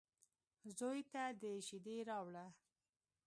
_زوی ته دې شېدې راوړه.